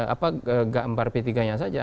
apa gak membar p tiga nya saja